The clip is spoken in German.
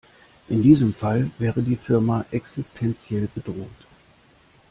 In diesem Fall wäre die Firma existenziell bedroht.